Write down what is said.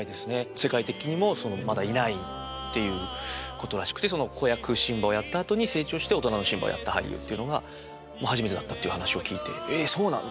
世界的にもまだいないっていうことらしくてその子役シンバをやったあとに成長して大人のシンバやった俳優っていうのは初めてだったっていう話を聞いて「ええっそうなんだ」って。